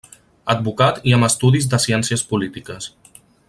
Advocat i amb estudis de Ciències Polítiques.